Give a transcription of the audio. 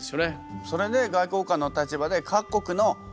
それで外交官の立場で各国の話を集めたと。